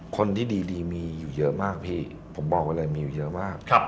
คนที่ดีมีอยู่เยอะมากพี่ผมบอกไว้เลยมีอยู่เยอะมาก